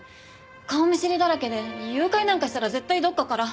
顔見知りだらけで誘拐なんかしたら絶対どっかから。